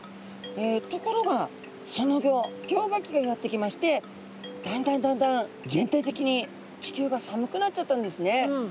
ところがそのギョ氷河期がやってきましてだんだんだんだん全体的に地球が寒くなっちゃったんですね。